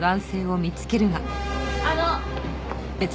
あの！